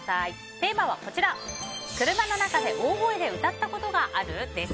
テーマは、車の中で大声で歌ったことがある？です。